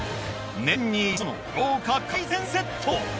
年に一度の豪華海鮮セット。